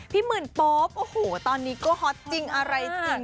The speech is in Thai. หมื่นโป๊ปโอ้โหตอนนี้ก็ฮอตจริงอะไรจริง